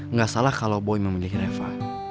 nggak salah kalau boy memilih reva